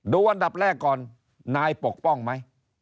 อันดับแรกก่อนนายปกป้องไหม